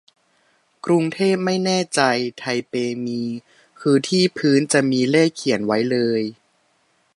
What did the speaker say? กรุงเทพไม่แน่ใจ ไทเปมี คือที่พื้นจะมีเลขเขียนไว้เลย